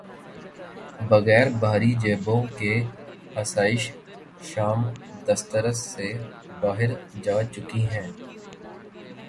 بغیر بھاری جیبوں کے آسائش شام دسترس سے باہر جا چکی ہیں۔